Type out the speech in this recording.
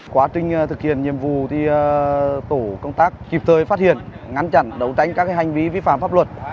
quá trình thực hiện nhiệm vụ thì tổ công tác kịp thời phát hiện ngăn chặn đấu tranh các hành vi vi phạm pháp luật